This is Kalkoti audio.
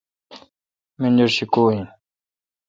منجر شی کو این؟